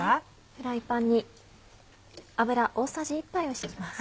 フライパンに油大さじ１杯を引きます。